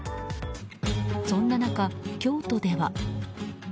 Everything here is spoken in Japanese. そんな中、京都では。